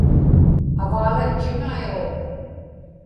avaalatchiŋaiġuŋ